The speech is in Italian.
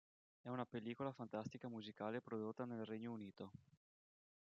È una pellicola fantastica musicale prodotta nel Regno Unito.